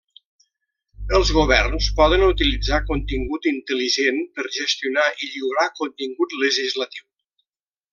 Els governs poden utilitzar contingut intel·ligent per gestionar i lliurar contingut legislatiu.